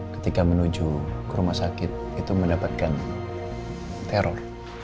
ketika menuju ke rumah sakit itu mendapatkan teror